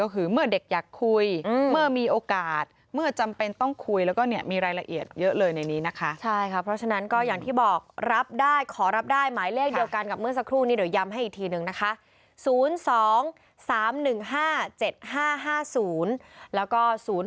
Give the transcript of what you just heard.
หมายเลขเดียวกันกับเมื่อสักครู่นี้เดี๋ยวยำให้อีกทีนึงนะคะ๐๒๓๑๕๗๕๕๐แล้วก็๐๖๑๙๑๙๐๑๑๑